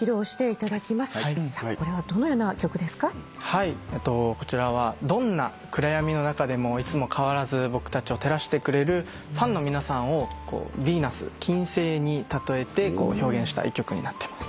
はいこちらはどんな暗闇の中でもいつも変わらず僕たちを照らしてくれるファンの皆さんをＶｅｎｕｓ金星に例えて表現した一曲になってます。